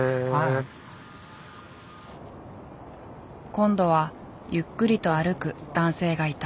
今度はゆっくりと歩く男性がいた。